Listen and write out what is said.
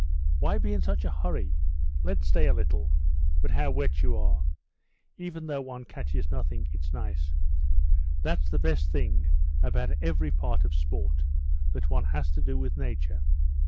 "Why be in such a hurry? Let's stay a little. But how wet you are! Even though one catches nothing, it's nice. That's the best thing about every part of sport, that one has to do with nature.